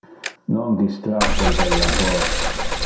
Non distrahe te del labor.